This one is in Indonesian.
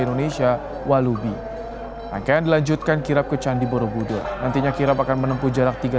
indonesia walubi akan dilanjutkan kirab ke candi borobudur nantinya kirab akan menempuh jarak tiga lima